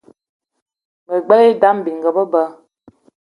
Me gbelé idam bininga be ba.